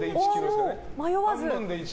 迷わず。